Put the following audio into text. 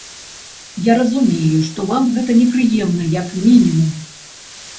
Я разумею, што вам гэта непрыемна, як мінімум.